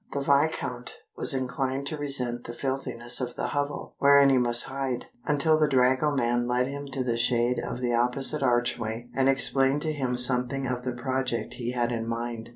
The viscount was inclined to resent the filthiness of the hovel wherein he must hide, until the dragoman led him to the shade of the opposite archway and explained to him something of the project he had in mind.